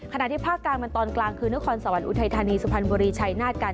ที่ภาคกลางมันตอนกลางคือนครสวรรค์อุทัยธานีสุพรรณบุรีชัยนาธการ